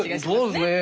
そうですね。